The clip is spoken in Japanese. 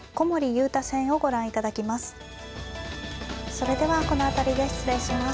それではこの辺りで失礼します。